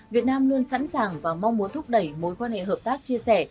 việt nam luôn sẵn sàng và mong muốn thúc đẩy mối quan hệ hợp tác chia sẻ